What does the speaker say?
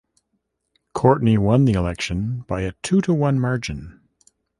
Courtney won the election by a two-to-one margin.